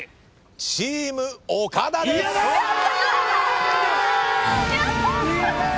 チーム岡田です！